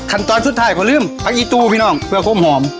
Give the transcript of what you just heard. ทันตอนสุดท้ายก็ลืมปลั๊กอีตูพี่น้องเพื่อความหอม